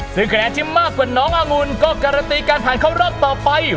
ซึ่งคะแนนที่มากกว่าน้ององุลก็การันตีการผ่านเข้ารอบต่อไป